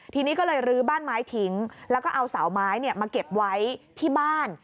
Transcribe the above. ทีนี้ก็เลยลื้อบ้านไม้ทิ้งแล้วก็เอาเสาไม้มาเก็บไว้ที่บ้าน